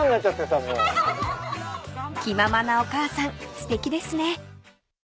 ［気ままなお母さんすてきですね］